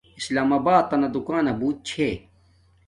سلام آباتنا دوکانا بوت چھے